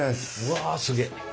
わすげえ。